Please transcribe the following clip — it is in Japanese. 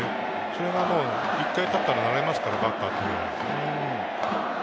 それが１回捕ったら慣れますから、バッターも。